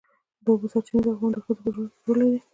د اوبو سرچینې د افغان ښځو په ژوند کې رول لري.